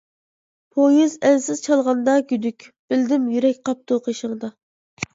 پويىز ئەنسىز چالغاندا گۈدۈك، بىلدىم، يۈرەك قاپتۇ قېشىڭدا.